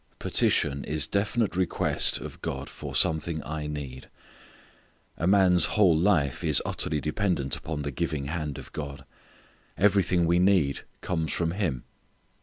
Petition is definite request of God for something I need. A man's whole life is utterly dependent upon the giving hand of God. Everything we need comes from Him.